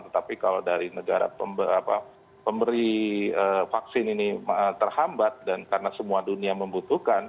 tetapi kalau dari negara pemberi vaksin ini terhambat dan karena semua dunia membutuhkan